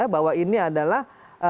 bahwa ini adalah